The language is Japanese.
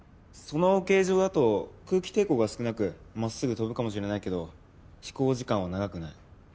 その形状だと空気抵抗が少なく真っすぐ飛ぶかもしれないけど飛行時間は長くない。